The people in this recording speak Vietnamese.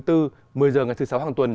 một mươi h ngày thứ sáu hàng tuần